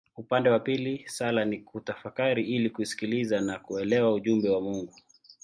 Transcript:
Upande wa pili sala ni kutafakari ili kusikiliza na kuelewa ujumbe wa Mungu.